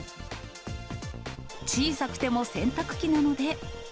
小さくても洗濯機なので。